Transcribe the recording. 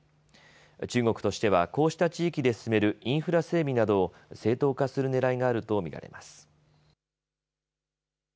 中国としては、こうした地域で進めるインフラ整備などを正当化するねらいがあると見られます。